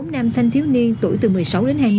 bốn nam thanh thiếu niên tuổi từ một mươi sáu đến hai mươi